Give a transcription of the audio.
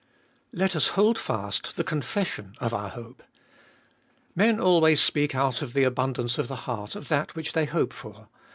Let us hold fast the confession of our hope. Men always speak out of the abundance of the heart of that which they hope for.